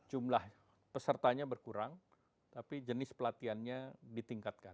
jumlah pesertanya berkurang tapi jenis pelatihannya ditingkatkan